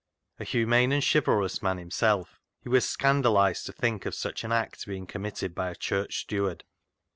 A humane and chivalrous man himself, he was scandalised to think of such an act being committed by a church steward.